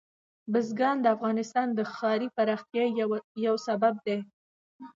بزګان د افغانستان د ښاري پراختیا یو سبب دی.